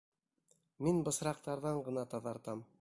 Мин бысраҡтарҙан ғына таҙартам.